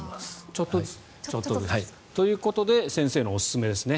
ちょっとずつ。ということで先生のおすすめですね